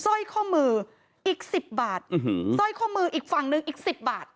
สร้อยข้อมืออีกสิบบาทสร้อยข้อมืออีกฝั่งหนึ่งอีกสิบบาท